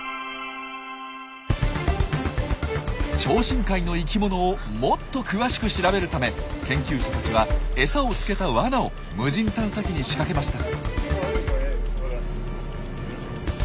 超深海の生きものをもっと詳しく調べるため研究者たちは餌をつけた罠を無人探査機に仕掛けました。